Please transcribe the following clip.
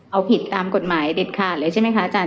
เอาผิดตามกฎหมายเด็ดขาดเลยใช่ไหมคะอาจารย